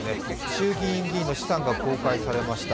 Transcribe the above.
衆議院議員の資産が公開されました。